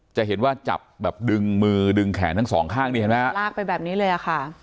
จะเห็นว่าจับแบบดึงมือดึงแขนทั้งสองข้างถึงลากไปแบบนี้เลยอ่ะค่ะ